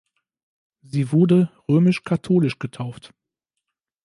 Sie wurde römisch-katholisch getauft.